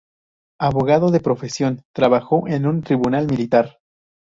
Abogado de profesión, trabajó en un tribunal militar.